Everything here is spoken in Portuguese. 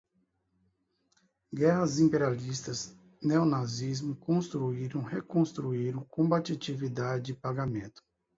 Guerras imperialistas, neonazismo, construíram, reconstruíram, combatividade, pagamento